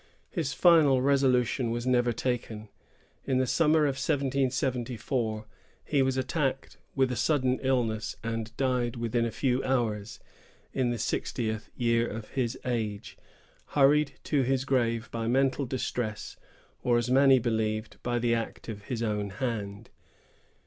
His final resolution was never taken. In the summer of 1774, he was attacked with a sudden illness, and died within a few hours, in the sixtieth year of his age, hurried to his grave by mental distress, or, as many believed, by the act of his own hand.